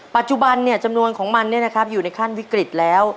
ปัจจุบันเนี่ยจำนวนของมันเนี่ยนะครับอยู่ในขั้นวิกฤตแล้ว